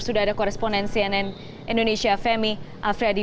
sudah ada koresponen cnn indonesia femi afriyadi